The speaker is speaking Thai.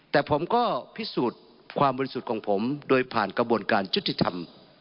แต่ผมก็พิสูจน์ความบริสุทธิ์ของผมโดยผ่านกระบวนการยุติธรรม